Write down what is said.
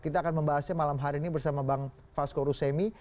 kita akan membahasnya malam hari ini bersama bang fasko rusemi